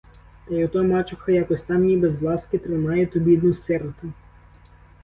Та й ото мачуха якось там ніби з ласки тримає ту бідну сироту.